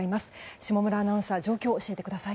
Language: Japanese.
下村アナウンサー状況教えてください。